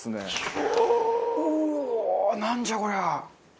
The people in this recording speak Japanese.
なんじゃこりゃ！